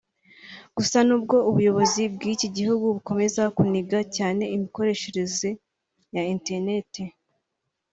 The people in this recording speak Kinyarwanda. Gusa n’ubwo ubuyobozi bw’iki gihugu bukomeza kuniga cyane imikoreshereze ya internet